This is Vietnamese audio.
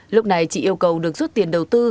lúc này chị yêu cầu được rút tiền đầu tư